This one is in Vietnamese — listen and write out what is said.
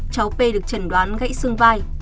cháu p được trần đoán gãy xương vai